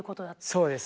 そうです。